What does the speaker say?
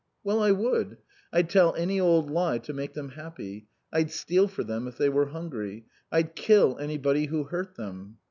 "Well, I would. I'd tell any old lie to make them happy. I'd steal for them if they were hungry. I'd kill anybody who hurt them."